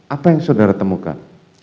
apa yang saudara temukan